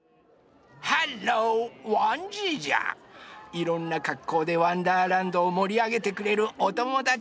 いろんなかっこうで「わんだーらんど」をもりあげてくれるおともだち。